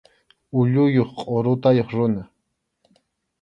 Ulluyuq qʼurutayuq runa.